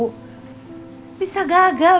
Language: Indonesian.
kamu akan menjaga kemahiran kamu